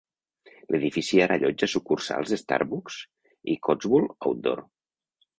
L'edifici ara allotja sucursals de Starbucks i Cotswold Outdoor.